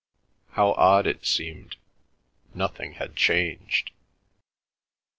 How odd it seemed—nothing had changed.